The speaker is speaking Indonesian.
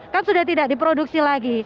kan sudah tidak diproduksi lagi